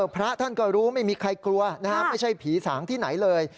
พระท่านก็รู้ไม่มีใครกลัวไม่ใช่ผีสางที่ไหนเลย